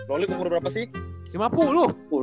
lolly umur berapa sih